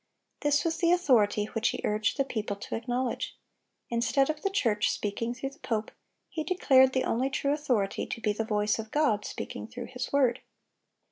This was the authority which he urged the people to acknowledge. Instead of the church speaking through the pope, he declared the only true authority to be the voice of God speaking through His word.